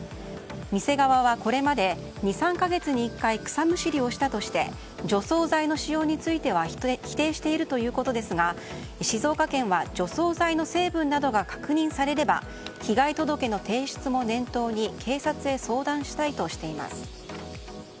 店側はこれまで２３か月に１回草むしりをしたとして除草剤の使用については否定しているということですが静岡県は、除草剤の成分などが確認されれば被害届の提出も念頭に警察へ相談したいとしています。